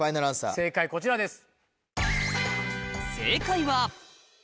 正解こちらです。